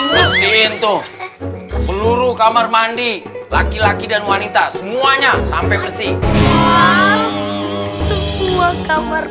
mesin tuh seluruh kamar mandi laki laki dan wanita semuanya sampai bersih semua kamar